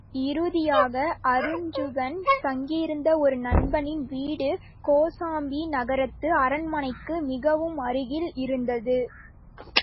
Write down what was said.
இறுதியாக அருஞ்சுகன் தங்கியிருந்த ஒரு நண்பனின் வீடு கோசாம்பி நகரத்து அரண்மனைக்கு மிகவும் அருகில் இருந்தது.